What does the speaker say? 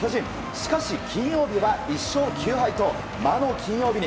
しかし金曜日は１勝９敗と魔の金曜日に。